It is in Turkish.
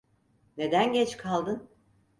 Neden geç kaldın?